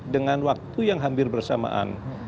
dengan waktu yang hampir bersamaan